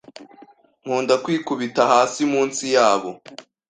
Nkunda kwikubita hasi munsi yabo